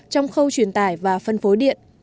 trong khâu truyền tải và phân phối điện